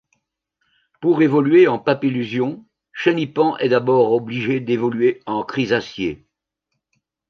Pour évoluer en Papilusion, Chenipan est d'abord obligé d'évoluer en Chrysacier.